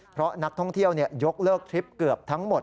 เพราะนักท่องเที่ยวยกเลิกทริปเกือบทั้งหมด